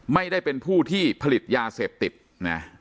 ไม่ได้เป็นผู้ที่ผลิตยาเสพติดนะ